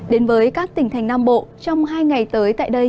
đến với các tỉnh thành nam bộ trong hai ngày tới tại đây